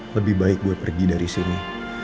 lebih baik gue pergi dari sini